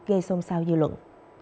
gây xôn xao dư luận